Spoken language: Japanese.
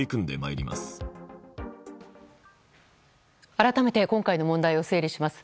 改めて今回の問題を整理します。